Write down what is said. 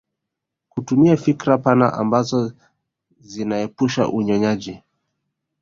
Kutumia fikra pana ambazo zinaepusha unyonyaji